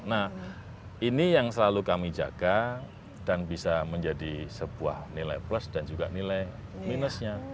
nah ini yang selalu kami jaga dan bisa menjadi sebuah nilai plus dan juga nilai minusnya